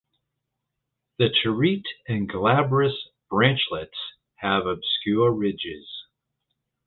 The terete and glabrous branchlets have obscure ridges.